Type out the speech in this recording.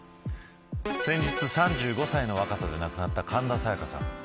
先日、３５歳の若さで亡くなった神田沙也加さん。